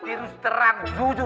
terus terang jujur